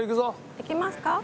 行きますか？